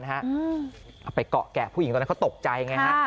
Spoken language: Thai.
เอาไปเกาะแกะผู้หญิงตอนนั้นเขาตกใจไงฮะ